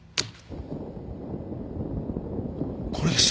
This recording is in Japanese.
これです。